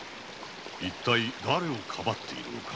一体だれをかばっているのか。